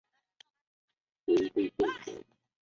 换我出场呀！